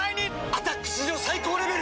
「アタック」史上最高レベル！